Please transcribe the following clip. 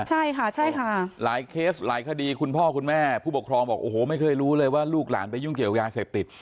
ใช่ค่ะใช่ค่ะหลายเคสหลายคดีคุณพ่อคุณแม่ผู้ปกครองบอกโอ้โหไม่เคยรู้เลยว่าลูกหลานไปยุ่งเกี่ยวยาเสพติด